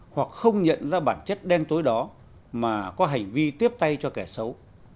hoặc không nhận ra bản chất đen tối đó mà có hành vi tiếp tay cho kẻ xấu